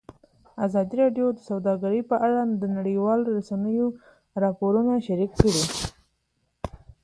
ازادي راډیو د سوداګري په اړه د نړیوالو رسنیو راپورونه شریک کړي.